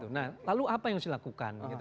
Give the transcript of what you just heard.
nah lalu apa yang harus dilakukan